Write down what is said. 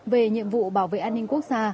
về nhiệm vụ bảo vệ an ninh quốc gia